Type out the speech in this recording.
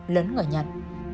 lớn người nhận